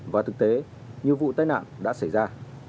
và thực tế nhiều vụ tai nạn đã xảy ra